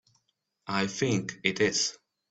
I think it is.